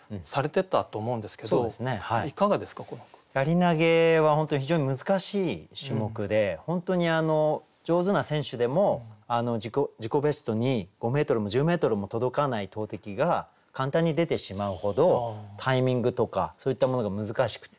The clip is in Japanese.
槍投げは本当に非常に難しい種目で本当に上手な選手でも自己ベストに５ｍも１０ｍも届かない投てきが簡単に出てしまうほどタイミングとかそういったものが難しくて。